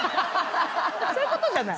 そういうことじゃない。